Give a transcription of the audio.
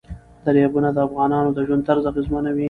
دریابونه د افغانانو د ژوند طرز اغېزمنوي.